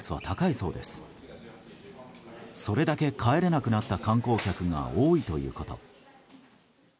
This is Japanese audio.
それだけ帰れなくなった観光客が多いということ。